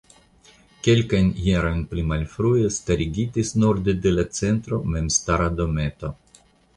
Kelkajn jarojn pli malfrue starigitis norde de la centro memstara dometo.